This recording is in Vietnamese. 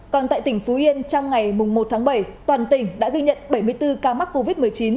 còn tại tỉnh phú yên trong ngày một tháng bảy toàn tỉnh đã ghi nhận bảy mươi bốn ca mắc covid một mươi chín